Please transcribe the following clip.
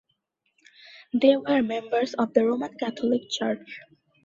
They were members of the Roman Catholic Church.